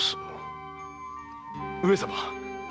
上様。